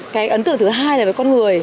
cái ấn tượng thứ hai là với con người